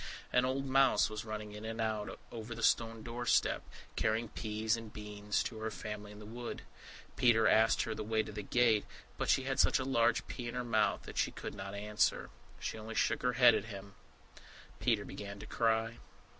An old mouse was running in and out over the stone doorstep, carrying peas and beans to her family in the wood. Peter asked her the way to the gate, but she had such a large pea in her mouth that she could not answer. She only shook her head at him. Peter began to cry.